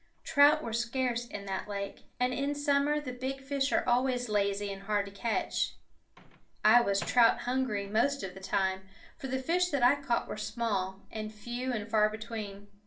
Trout were scarce in that lake, and in summer the big fish are always lazy and hard to catch. I was trout hungry most of the time, for the fish that I caught were small, and few and far between.